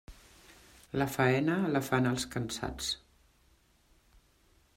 La faena, la fan els cansats.